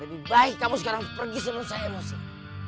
lebih baik kamu sekarang pergi sebelum saya mosin